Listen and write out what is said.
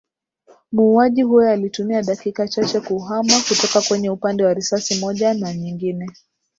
Muuaji huyo alitumia dakika chache kuhama kutoka kwenye upande wa risasi moja na nyingine